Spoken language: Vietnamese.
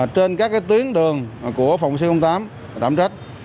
trên các cái tuyến đường của phòng pc tám đảm trách